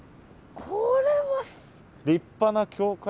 これは。